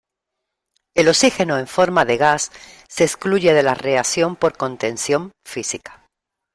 El oxígeno en forma de gas se excluye de la reacción por contención física.